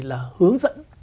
là hướng dẫn